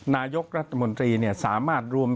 นายกรัฐมนตรีสามารถรวม